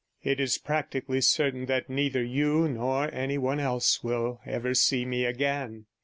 It is practically certain that neither you nor any one else will ever see me again.